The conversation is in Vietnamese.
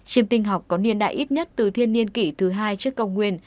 chiêm tinh học có niên đại ít nhất từ thiên niên kỷ thứ hai trước công nguyên